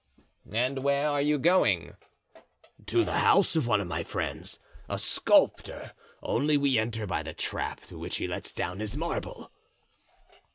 "And where are you going?" "To the house of one of my friends, a sculptor, only we enter by the trap through which he lets down his marble."